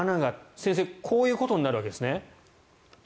先生こういうことになるわけですね。